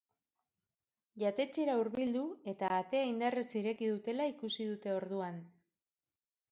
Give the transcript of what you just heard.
Jatetxera hurbildu eta atea indarrez ireki dutela ikusi dute orduan.